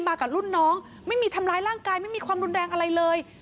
ไม่มีทำร้ายร่างกายไม่มีความรุนแรงอะไรเลย